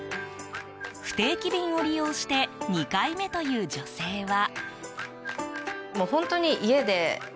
不定期便を利用して２回目という女性は。